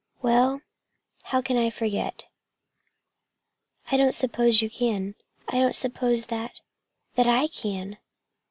Well, how can I forget?" "I don't suppose you can. I don't suppose that that I can!"